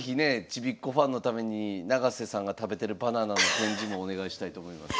ちびっ子ファンのために永瀬さんが食べてるバナナの展示もお願いしたいと思います。